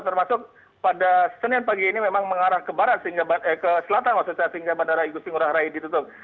termasuk pada senin pagi ini memang mengarah ke barat sehingga ke selatan maksud saya sehingga bandara igusti ngurah rai ditutup